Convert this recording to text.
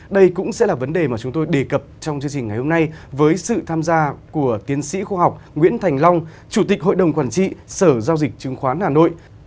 đây cũng sẽ là vấn đề mà chúng tôi đề cập trong chương trình ngày hôm nay với sự tham gia của tiến sĩ khoa học nguyễn thành long chủ tịch hội đồng quản trị sở giao dịch chứng khoán hà nội